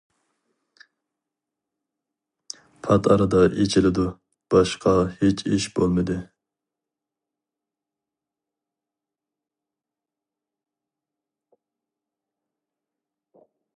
پات ئارىدا ئېچىلىدۇ، باشقا ھېچ ئىش بولمىدى.